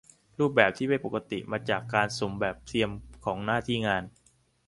รูปแบบที่ไม่ปกติมาจากการสุ่มแบบเทียมของหน้าที่งาน